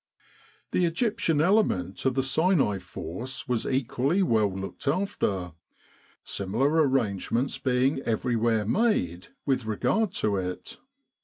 The Egyptian element of the Sinai Force was equally well looked after, similar arrangements being everywhere made with regard to it.